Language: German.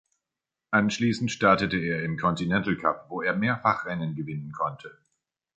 Anschließend startete er im Continentalcup, wo er mehrfach Rennen gewinnen konnte.